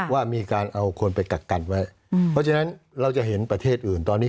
ว่ามีการเอาคนไปกักกันไว้เพราะฉะนั้นเราจะเห็นประเทศอื่นตอนนี้